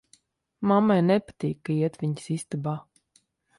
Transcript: Mammai nepatīk, ka iet viņas istabā.